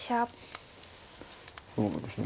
そうですね